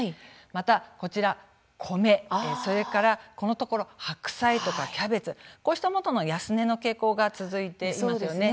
また、こちら米それから、このところ白菜とかキャベツ、こうしたものの安値の傾向が続いていますよね。